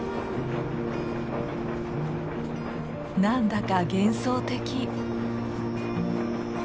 何だか幻想的。